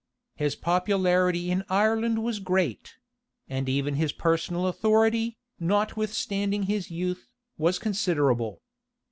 His popularity in Ireland was great; and even his personal authority, notwithstanding his youth, was considerable.